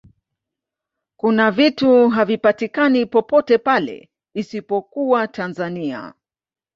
kuna vitu havipatikani popote pale isipokuwa tanzania